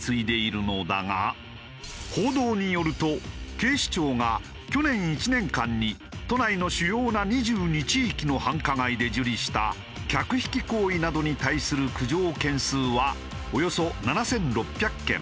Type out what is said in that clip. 報道によると警視庁が去年１年間に都内の主要な２２地域の繁華街で受理した客引き行為などに対する苦情件数はおよそ７６００件。